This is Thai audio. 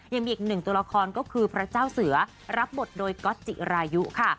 ยังมีอีกหนึ่งตัวละครก็คือพระเจ้าเสือรับบทโดยก๊อตจิรายุค่ะ